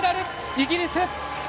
イギリス。